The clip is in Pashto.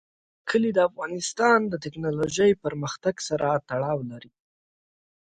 کلي د افغانستان د تکنالوژۍ پرمختګ سره تړاو لري.